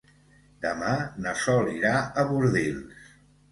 Demà na Sol irà a Bordils.